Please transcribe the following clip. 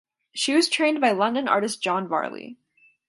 She was trained by London artist John Varley.